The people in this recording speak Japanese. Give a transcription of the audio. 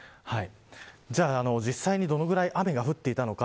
じゃあ実際にどのぐらい雨が降っていたのか。